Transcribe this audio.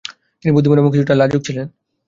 তিনি বুদ্ধিমান এবং কিছুটা লাজুক ছিলেন।